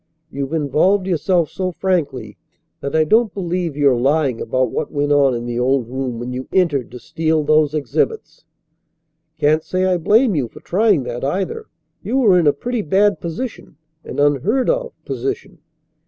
You've involved yourself so frankly that I don't believe you're lying about what went on in the old room when you entered to steal those exhibits. Can't say I blame you for trying that, either. You were in a pretty bad position an unheard of position.